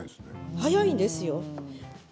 早いんですよ。